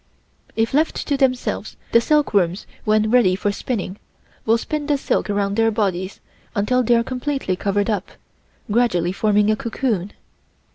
If left to themselves, the silkworms when ready for spinning will spin the silk around their bodies until they are completely covered up, gradually forming a cocoon.